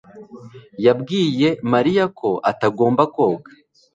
yabwiye Mariya ko atagomba koga.